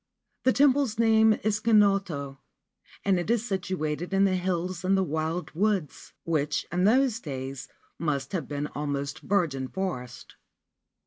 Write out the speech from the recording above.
The temple's name is Kinoto, and it is situated in tl: hills in wild woods, which in those days must have bee almost virgin forest.